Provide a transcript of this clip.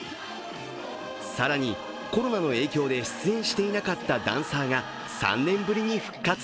更に、コロナの影響で出演していなかったダンサーが３年ぶりに復活。